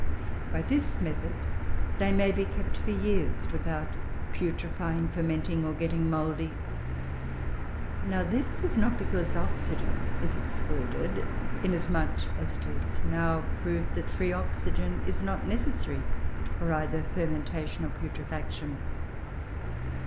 By this method they may be kept for years without putrefying, fermenting, or getting mouldy. Now this is not because oxygen is excluded, inasmuch as it is now proved that free oxygen is not necessary for either fermentation or putrefaction.